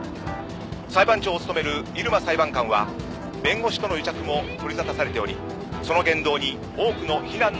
裁判長を務める入間裁判官は弁護士との癒着も取り沙汰されておりその言動に多くの非難の声が上がっています。